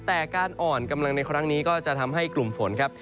แต่การอ่อนกำลังในครั้งนี้ก็จะทำให้กลุ่มฝนครับ